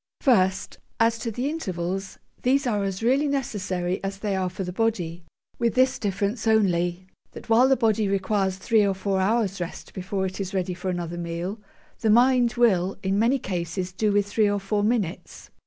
First, as to the intervals: these are as really necessary as they are for the body, with this difference only, that while the body requires three or four hours' rest before it is ready for another meal, the mind will in many cases do with three or four minutes.